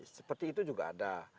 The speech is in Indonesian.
seperti itu juga ada